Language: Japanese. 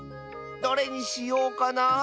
どれにしようかな？